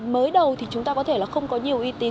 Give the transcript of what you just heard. mới đầu thì chúng ta có thể là không có nhiều uy tín